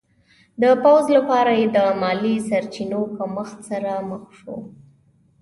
د پوځ لپاره یې د مالي سرچینو کمښت سره مخ شو.